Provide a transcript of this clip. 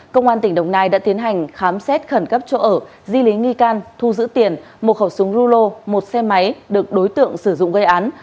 công an tỉnh đồng nai đã tiến hành khám xét khẩn cấp chỗ ở di lý nghi can thu giữ tiền một khẩu súng rulo một xe máy được đối tượng sử dụng gây án